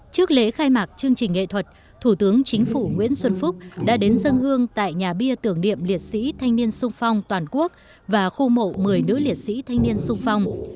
trước lễ khai mạc chương trình nghệ thuật thủ tướng chính phủ nguyễn xuân phúc đã đến dân hương tại nhà bia tưởng niệm liệt sĩ thanh niên sung phong toàn quốc và khu mộ một mươi nữ liệt sĩ thanh niên sung phong